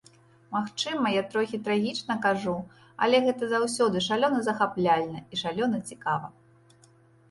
Магчыма, я трохі трагічна кажу, але гэта заўсёды шалёна захапляльна і шалёна цікава.